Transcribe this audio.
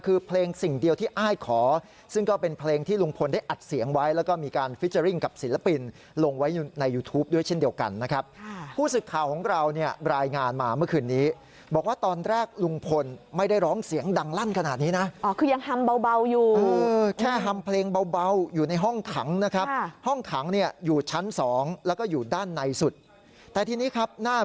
ฟังเพลงที่ลุงพลเสียงดังออกมาไปฟังเพลงที่ลุงพลเสียงดังออกมาไปฟังเพลงที่ลุงพลเสียงดังออกมาไปฟังเพลงที่ลุงพลเสียงดังออกมาไปฟังเพลงที่ลุงพลเสียงดังออกมาไปฟังเพลงที่ลุงพลเสียงดังออกมาไปฟังเพลงที่ลุงพลเสียงดังออกมาไปฟังเพลงที่ลุงพลเสียงดังออกมาไปฟังเพลงที่ลุงพ